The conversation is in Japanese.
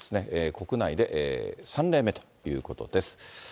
国内で３例目ということです。